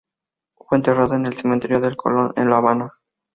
Fue enterrada en el cementerio de Colón en La Habana.